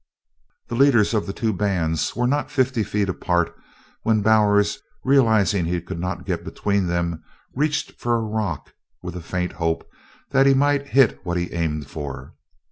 The leaders of the two bands were not fifty feet apart when Bowers, realizing he could not get between them, reached for a rock with a faint hope that he might hit what he aimed for.